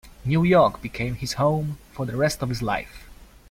New York became his home for the rest of his life.